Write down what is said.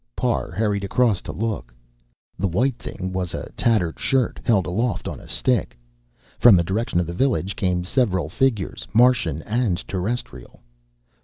Parr hurried across to look. The white thing was a tattered shirt, held aloft on a stick. From the direction of the village came several figures, Martian and Terrestrial.